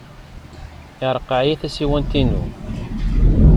Ireqqeɛ-iyi tasiwant-inu.